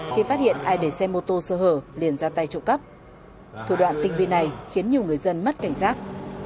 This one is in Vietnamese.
khi phát hiện ai để xe mô tô sơ hở liền ra tay trộm cắp thủ đoạn tinh vi này khiến nhiều người dân mất cảnh giác